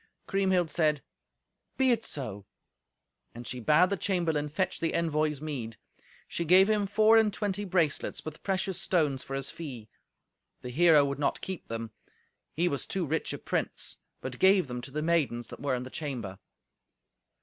Kriemhild said, "Be it so." And she bade the chamberlain fetch the envoy's meed. She gave him four and twenty bracelets with precious stones for his fee. The hero would not keep them: he was too rich a prince, but gave them to the maidens that were in the chamber.